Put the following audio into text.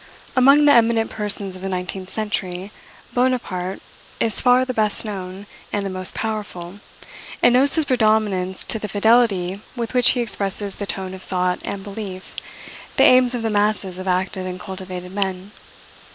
Among the eminent persons of the nineteenth century, Bonaparte is far the best known, and the most powerful; and owes his predominance to the fidelity with which he expresses the tone of thought and belief, the aims of the masses of active and cultivated men.